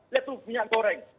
lihat tuh minyak goreng